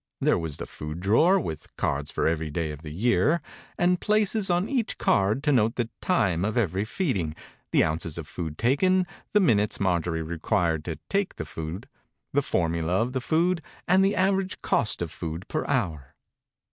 There was the food drawer, with cards for every day of the year, and 34 THE INCUBATOR BABY places on each card to note the time of every feeding, the ounces of food taken, the minutes Mar jorie required to take the food, the formula of the food, and the average cost of food per hour.